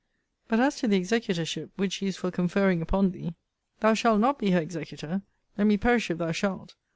But as to the executorship which she is for conferring upon thee thou shalt not be her executor: let me perish if thou shalt.